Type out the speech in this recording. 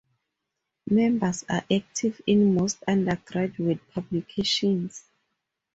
Members are active in most undergraduate publications.